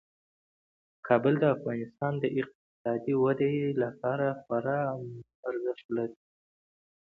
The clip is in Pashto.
کابل د افغانستان د اقتصادي ودې لپاره خورا ارزښت لري.